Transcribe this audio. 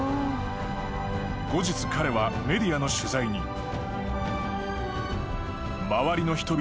［後日彼はメディアの取材に］